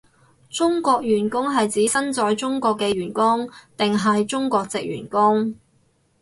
中國員工係指身在中國嘅員工定係中國藉員工？